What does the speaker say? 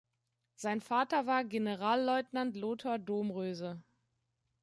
Sein Vater war Generalleutnant Lothar Domröse.